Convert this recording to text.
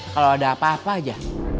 kalau ada apa apa aja